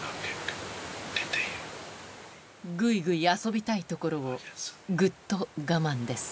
グイグイ遊びたいところをぐっと我慢です